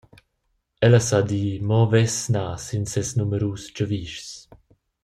Ella sa dir mo vess na sin ses numerus giavischs.